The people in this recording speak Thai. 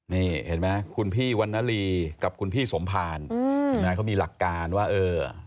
นี่เห็นไหมคุณพี่วันนาลีกับคุณพี่สมภารเขามีหลักการว่าเออ